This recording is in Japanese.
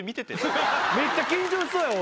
めっちゃ緊張しそうや俺。